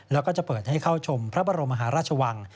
แล้วก็จะเปิดให้เข้าชมพระบรมมหาราชวัง